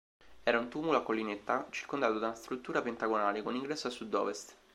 Era un tumulo a collinetta circondato da una struttura pentagonale con ingresso a sud-ovest.